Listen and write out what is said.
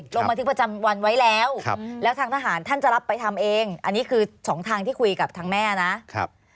ลงบันทึกประจำวันไว้แล้วแล้วทางทหารท่านจะรับไปทำเองอันนี้คือสองทางที่คุยกับทางแม่นะครับ